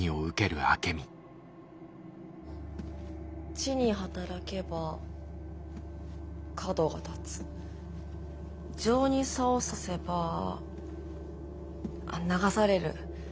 智に働けば角が立つ情に棹させばあっ流される。